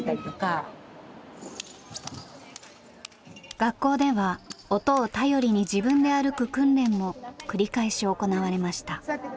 学校では音を頼りに自分で歩く訓練も繰り返し行われました。